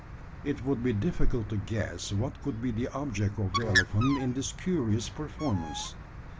It would be difficult to guess what could be the object of the elephant in this curious performance.